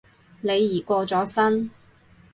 李怡過咗身